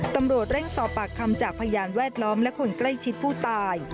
ตำรวจเร่งสอบปากคำจากพยานแวดล้อมและคนใกล้ชิดผู้ตาย